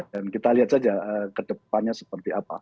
dan kita lihat saja kedepannya seperti apa